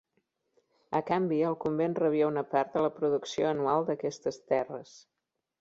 A canvi, el convent rebia una part de la producció anual d'aquestes terres.